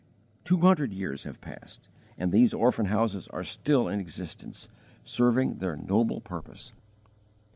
Two hundred years have passed, and these Orphan Houses are still in existence, serving their noble purpose.